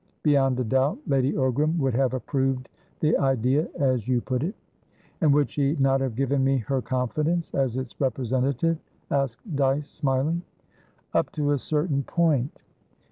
Beyond a doubt, Lady Ogram would have approved the idea as you put it." "And would she not have given me her confidence as its representative?" asked Dyce, smiling. "Up to a certain point.